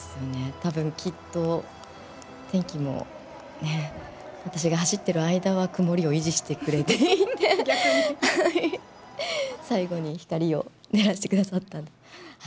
たぶん、きっと天気も私が走ってる間は曇りを維持してくれていて、最後に光を照らしてくださった。